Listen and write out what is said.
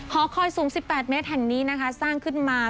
หอคอยสูง๑๘เมตรแห่งนี้นะคะสร้างขึ้นมา